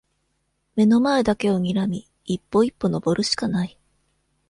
眼の前だけをにらみ、一歩一歩登るしかない。